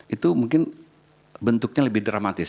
itu mungkin bentuknya lebih dramatis